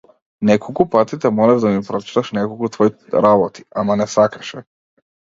Неколку пати те молев да ми прочиташ неколку твои работи, ама не сакаше.